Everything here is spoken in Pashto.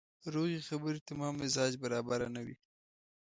روغې خبرې ته مو هم مزاج برابره نه وي.